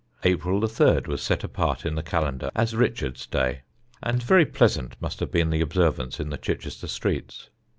April 3 was set apart in the calendar as Richard's day, and very pleasant must have been the observance in the Chichester streets.